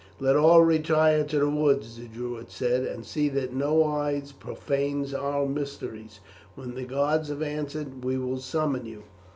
"Let all retire to the woods," the Druids said, "and see that no eye profanes our mysteries. When the gods have answered we will summon you."